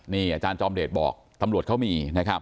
นี่อาจารย์จอมเดชบอกตำรวจเขามีนะครับ